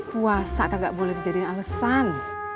puasa kagak boleh dijadiin alesan